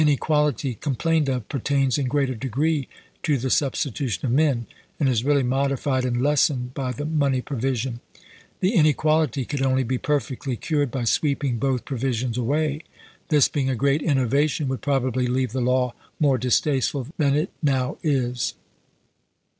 equality complained of pertains in greater degree to the substitution of men, and is really modified and lessened by the money provision. The in equality could only be perfectly cured by sweeping both provisions away. This, being a great innova tion, would probably leave the law more distasteful than it now is.